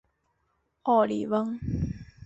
奥里翁。